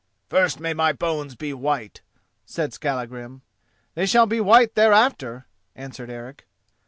"First may my bones be white," said Skallagrim. "They shall be white thereafter," answered Eric.